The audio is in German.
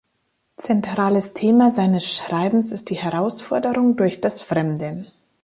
Zentrales Thema seines Schreibens ist die Herausforderung durch das Fremde.